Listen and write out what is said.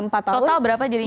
total berapa jadinya